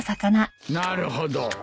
なるほど。